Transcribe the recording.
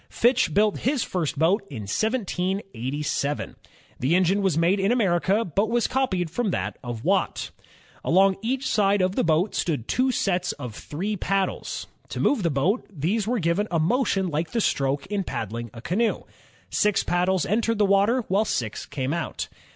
Fitch built his first boat in 1787. The engine was made in America, but was copied from that of Watt. Along TRIAI. TRIP OF F each side of the boat stood two sets of three paddles. To move the boat, these were given a motion like the stroke in paddling a canoe. Six paddles entered the water, while six came out.